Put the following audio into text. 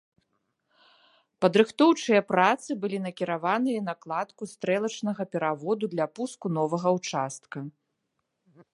Падрыхтоўчыя працы былі накіраваныя на кладку стрэлачнага пераводу для пуску новага ўчастка.